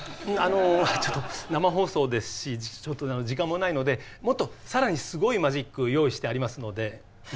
あのちょっと生放送ですし時間もないのでもっとさらにすごいマジックを用意してありますので。